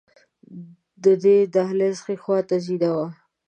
د دې دهلېز ښې خواته زینه وه.